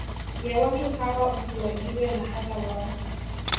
ya watu hawa usiwajue na hata wao